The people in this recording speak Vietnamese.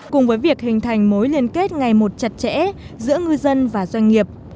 cùng với việc hình thành mối liên kết ngày một chặt chẽ giữa ngư dân và doanh nghiệp